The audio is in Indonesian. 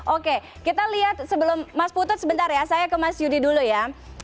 oke kita lihat sebelum mas putut sebentar ya saya ke mas yudi dulu ya